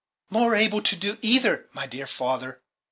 "More able to do either, my dear father."